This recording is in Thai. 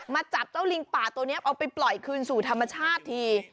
จับเจ้าลิงป่าตัวนี้เอาไปปล่อยคืนสู่ธรรมชาติที